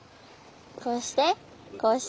こうしてこうして。